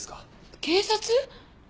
警察？